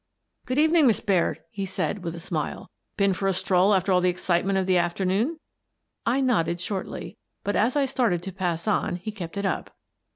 "Good evening, Miss Baird," he said, with a smile. " Been for a stroll after all the excitement of the afternoon? " I nodded shortly, but, as I started to pass on, he kept it up.